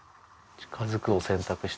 近づくを選択した。